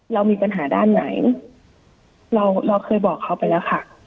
เรามีปัญหาด้านไหนเราเราเคยบอกเขาไปแล้วค่ะ